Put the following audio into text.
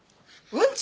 うんち？